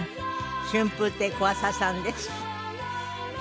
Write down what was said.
春風亭小朝さんです。